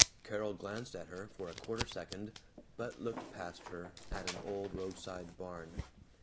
Carol glanced at her for a quarter second, but looked past her, at an old roadside barn.